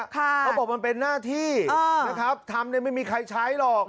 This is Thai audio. เขาบอกว่ามันเป็นหน้าที่ทำไม่มีใครใช้หรอก